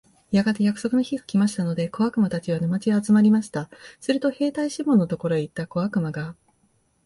やがて約束の日が来ましたので、小悪魔たちは、沼地へ集まりました。すると兵隊シモンのところへ行った小悪魔が、